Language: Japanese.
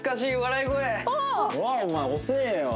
あっお前遅えよ！